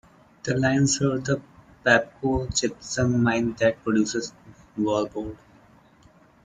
The line serves the Pabco Gypsum Mine that produces wallboard.